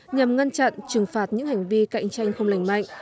nhằm ngăn chặn trừng phạt những hành vi cạnh tranh không lành mạnh